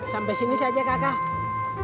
sampai sini saja kakak